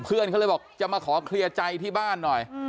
เพื่อนเขาเลยบอกจะมาขอเคลียร์ใจที่บ้านหน่อย